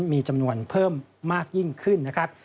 มีจำนวนเพิ่มมากยิ่งขึ้นนะครับ